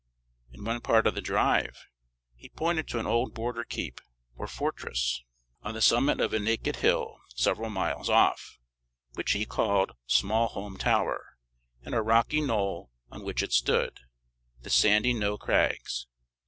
In one part of the drive, he pointed to an old border keep, or fortress, on the summit of a naked hill, several miles off, which he called Smallholm Tower, and a rocky knoll on which it stood, the "Sandy Knowe crags."